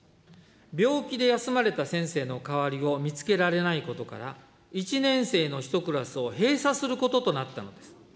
病気で休まれた先生の代わりを見つけられないことから、１年生の１クラスを閉鎖することとなったのです。